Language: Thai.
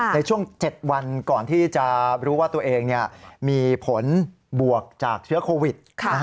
ในช่วง๗วันก่อนที่จะรู้ว่าตัวเองมีผลบวกจากเชื้อโควิด